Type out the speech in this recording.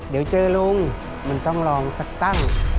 เดี๋ยวเจอลุงมันต้องลองสักตั้ง